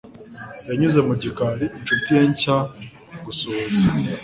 yanyuze mu gikari, inshuti ye nshya gusuhuza